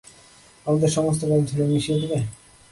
আমাদের সমস্ত কাজ ধূলোয় মিশিয়ে দেবে?